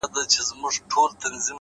د حقیقت مینه دروغ کمزوري کوي!